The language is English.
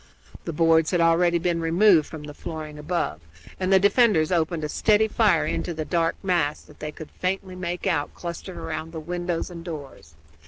The boards had already been removed from the flooring above, and the defenders opened a steady fire into the dark mass that they could faintly make out clustered round the windows and doors.